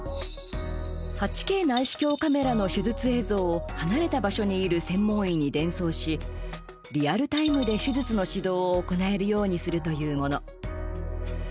８Ｋ内視鏡カメラの手術映像を離れた場所にいる専門医に伝送しリアルタイムで手術の指導を行えるようにするというもの。